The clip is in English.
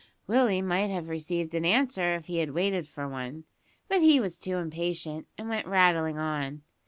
Willie might have received an answer if he had waited for one, but he was too impatient, and went rattling on.